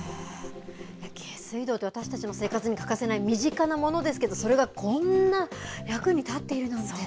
下水道って私たちの生活に欠かせない身近なものですけど、それがこんな役に立っているなんて。